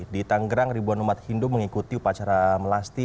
di tanggerang ribuan umat hindu mengikuti upacara melasti